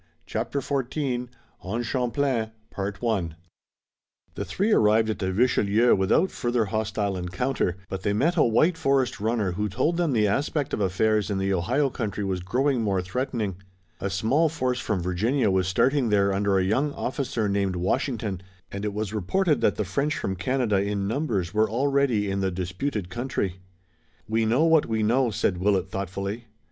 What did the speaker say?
CHAPTER XIV ON CHAMPLAIN The three arrived at the Richelieu without further hostile encounter, but they met a white forest runner who told them the aspect of affairs in the Ohio country was growing more threatening. A small force from Virginia was starting there under a young officer named Washington, and it was reported that the French from Canada in numbers were already in the disputed country. "We know what we know," said Willet thoughtfully.